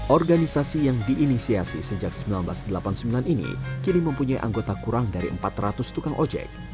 organisasi yang diinisiasi sejak seribu sembilan ratus delapan puluh sembilan ini kini mempunyai anggota kurang dari empat ratus tukang ojek